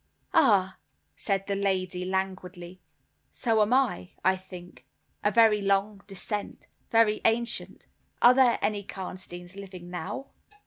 "Ah!" said the lady, languidly, "so am I, I think, a very long descent, very ancient. Are there any Karnsteins living now?"